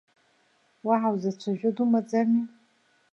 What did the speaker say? Уаҳа узацәажәо думаӡами?